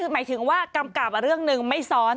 หมายถึงว่ากำกับเรื่องหนึ่งไม่ซ้อน